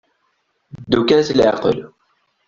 Ddu kan s leɛqel.